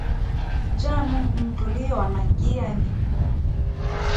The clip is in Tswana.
Jaanong ntlo le yona ke ya me.